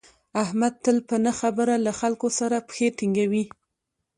احمد تل په نه خبره له خلکو سره پښې ټینگوي.